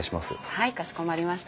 はいかしこまりました。